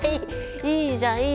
いいじゃんいいじゃん！